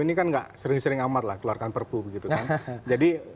ini kan enggak sering sering amatlah keluarkan prpu begitu kan jadi